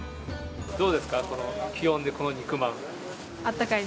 どうですか、この気温で、この肉まん。